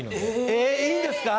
えいいんですか？